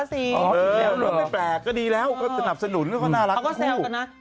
อ๋อไม่แปลกก็ดีแล้วก็หนับสนุนก็น่ารักกับคู่เขาก็แซวกันนะ